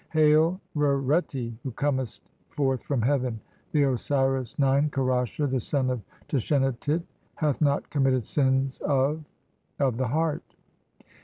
"Hail, Rereti, who comest forth from heaven, the "Osiris (9) Kerasher, the son of Tashenatit, hath not "committed sins of .... of the heart.